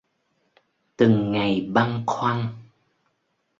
Từng ngày băn khoăn